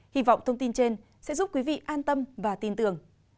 hy vọng thông tin trên sẽ giúp quý vị an tâm và tin tưởng